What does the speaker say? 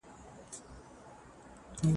بهرنۍ پالیسي د نړیوالو بدلونونو سره عیار کیږي.